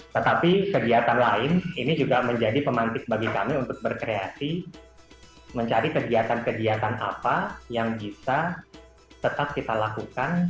tetapi kegiatan lain ini juga menjadi pemantik bagi kami untuk berkreasi mencari kegiatan kegiatan apa yang bisa tetap kita lakukan